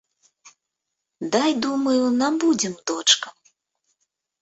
Дай, думаю, набудзем дочкам.